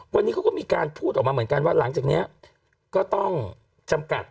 วันนี้เขาก็มีการพูดออกมาเหมือนกันว่าหลังจากนี้ก็ต้องจำกัด